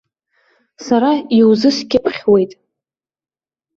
Сара иузыскьыԥхьуеит.